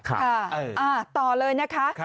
ค่ะต่อเลยนะคะ